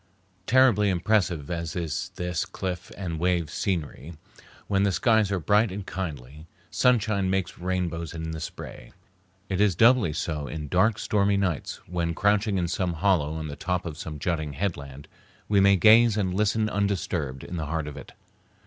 Terribly impressive as is this cliff and wave scenery when the skies are bright and kindly sunshine makes rainbows in the spray, it is doubly so in dark, stormy nights, when, crouching in some hollow on the top of some jutting headland, we may gaze and listen undisturbed in the heart of it.